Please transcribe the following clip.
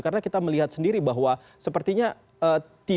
karena kita melihat sendiri bahwa seperti itu